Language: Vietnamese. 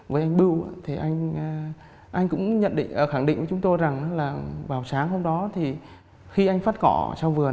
với anh bưu thì anh cũng nhận định khẳng định với chúng tôi rằng là vào sáng hôm đó thì khi anh phát cỏ trong vườn